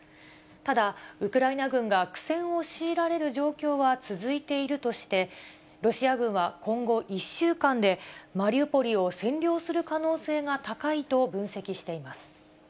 ただ、ウクライナ軍が苦戦を強いられる状況は続いているとして、ロシア軍は今後１週間でマリウポリを占領する可能性が高いと分析しています。